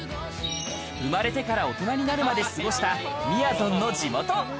生まれてから大人になるまで過ごした、みやぞんの地元。